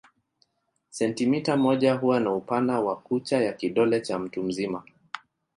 Sentimita moja huwa ni upana wa kucha ya kidole cha mtu mzima.